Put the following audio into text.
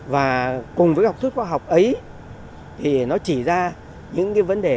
và cùng với học thuyết khoa học ấy thì nó chỉ ra những cái vấn đề